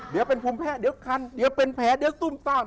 เดี๋ยวเป็นภูมิแพ้เดี๋ยวคันเดี๋ยวเป็นแผลเดี๋ยวซุ่มซาก